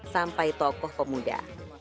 sampai tokoh pemuda